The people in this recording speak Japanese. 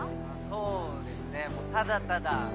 そうですねただただ。